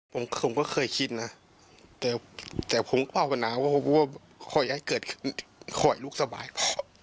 ผมก็เคยคิดนะแล้วผมเป็นฝนาว่าช่วยให้เกิดของช่วยลูกสบายพอ